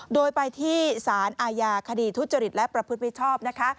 โดยไปที่สารอาญาคดีทุจริตและประพฤติมิชชอบนะคะ